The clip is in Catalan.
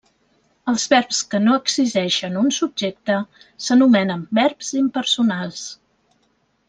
Els verbs que no exigeixen un subjecte s'anomenen verbs impersonals.